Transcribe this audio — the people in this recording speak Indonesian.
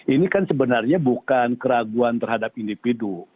ini kan sebenarnya bukan keraguan terhadap individu